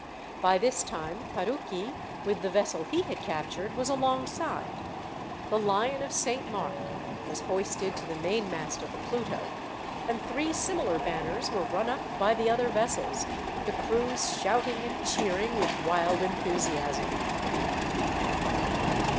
By this time Parucchi, with the vessel he had captured, was alongside. The Lion of Saint Mark was hoisted to the mainmast of the Pluto, and three similar banners were run up by the other vessels, the crews shouting and cheering with wild enthusiasm.